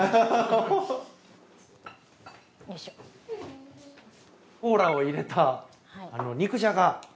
コーラを入れた肉じゃが。